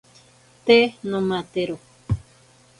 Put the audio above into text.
Te nomatero.